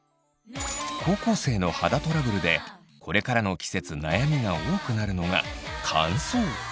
高校生の肌トラブルでこれからの季節悩みが多くなるのが乾燥。